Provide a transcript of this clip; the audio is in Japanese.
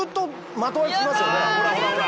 ほらほらほら。